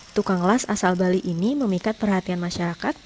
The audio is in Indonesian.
tukang las asal bali ini memikat perhatian masyarakat